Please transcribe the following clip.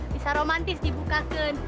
bisa romantis dibukakan